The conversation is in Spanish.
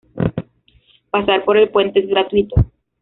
Pasar por el puente es gratuito.